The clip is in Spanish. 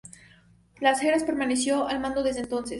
Las Heras permaneció al mando desde entonces.